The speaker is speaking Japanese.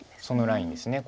そのラインです。